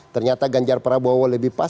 ternyata ganjar prabowo lebih pas